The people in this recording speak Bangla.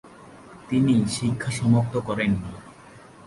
তিনি শিক্ষা সমাপ্ত করেননি।